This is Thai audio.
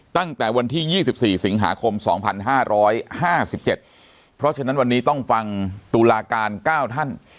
ตั้งแต่วันที่๒๔สิงหาคม๒๕๕๗เพราะฉะนั้นวันนี้ต้องฟังตุลาการ๙ท่าน